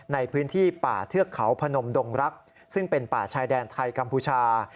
ในพื้นที่ป่าเทือกเขาพนมดงรักซึ่งเป็นป่าชายแดนไทยกัมพูชา